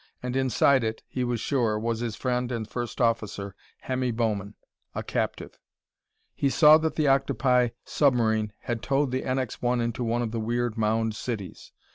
And inside it, he was sure, was his friend and first officer, Hemmy Bowman a captive. He saw that the octopi submarine had towed the NX 1 into one of the weird mound cities.